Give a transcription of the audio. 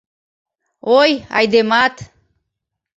Ой, айдемат!